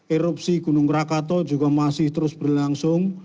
erupsi gunung rakato juga masih terus berlangsung